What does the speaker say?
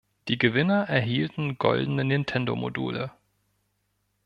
Die Gewinner erhielten goldene Nintendo-Module.